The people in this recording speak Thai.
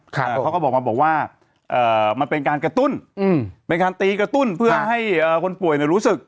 แล้วเขาก็บอกมาบอกว่ามันเป็นการกระตุ้นเป็นการตีกระตุ้นเพื่อให้คนป่วยรู้สึก